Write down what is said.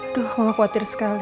aduh mama khawatir sekali